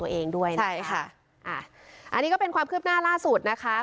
เองด้วยนะคะอ่าอันนี้ก็เป็นความคืบหน้าล่าสุดนะคะ